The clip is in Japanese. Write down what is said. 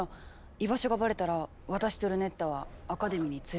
居場所がバレたら私とルネッタはアカデミーに連れ戻されちゃう。